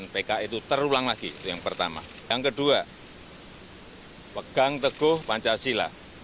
pegang teguh pancasila